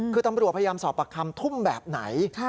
คือตำรวจพยายามสอบปากคำทุ่มแบบไหน